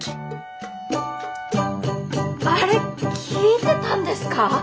あれ聞いてたんですか！？